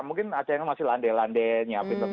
mungkin ada yang masih lande landenya bingung